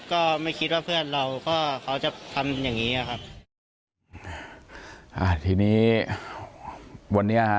ก็ไม่คิดว่าเพื่อนเราก็เขาจะทำอย่างงี้อ่ะครับอ่าทีนี้วันนี้ฮะ